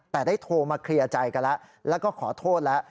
แต่ได้โทรมาเคลียร์ใจกันแล้วแล้วก็ขอโทษแล้ว